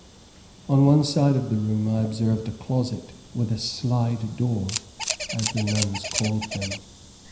On one side of the room, I observed a closet with a "slide door," as the nuns called them.